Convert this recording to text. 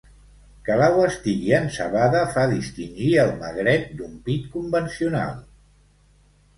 Que l'au estigui encebada fa distingir el magret d'un pit convencional.